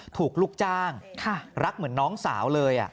ถูกลูกจ้างรักเหมือนน้องสาวเลย